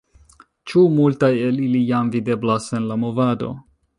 Ĉu multaj el ili jam videblas en la movado?